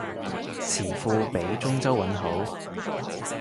詞庫畀中州韻好